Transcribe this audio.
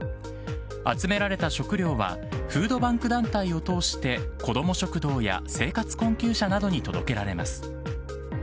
集められた食料は、フードバンク団体を通して子ども食堂や生活困窮者などに届けられます。